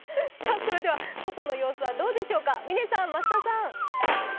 それでは外の様子はどうでしょうか、嶺さん、増田さん。